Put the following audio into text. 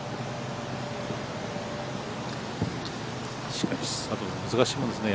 しかし、難しいもんですね